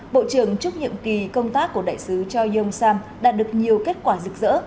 bộ trưởng chúc nhiệm kỳ công tác của đại sứ choi yong sam đã được nhiều kết quả rực rỡ